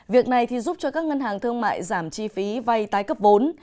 việc này giúp cho các ngân hàng thương mại giảm chi phí vay tái cấp vốn